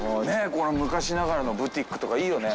この昔ながらのブティックとかいいよね。